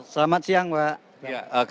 selamat siang pak